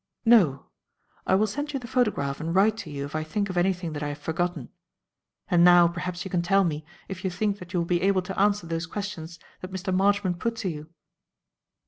"No. I will send you the photograph and write to you if I think of anything that I have forgotten. And now, perhaps you can tell me if you think that you will be able to answer those questions that Mr. Marchmont put to you."